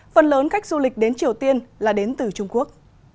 phần lớn khách du lịch đến triều tiên là đến từ trung quốc